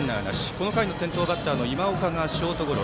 この回の先頭バッターの今岡がショートゴロ。